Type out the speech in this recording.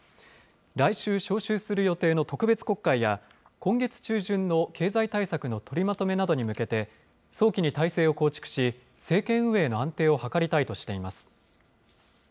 来週召集する予定の特別国会や、今月中旬の経済対策の取りまとめなどに向けて、早期に体制を構築し、政権運営の安定を図りたいとしています。